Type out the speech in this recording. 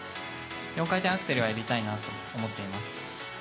４回転アクセルをやりたいなと思っています。